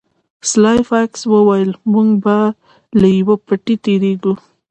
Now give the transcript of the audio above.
سلای فاکس وویل چې موږ به له یوه پټي تیریږو